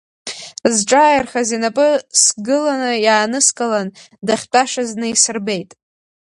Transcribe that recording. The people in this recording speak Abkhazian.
Зҿааирхаз инапы сгыланы иааныскылан, дахьтәашаз наисырбеит.